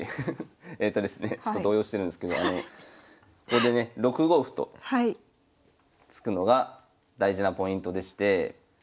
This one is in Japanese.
えとですねちょっと動揺してるんですけどここでね６五歩と突くのが大事なポイントでして。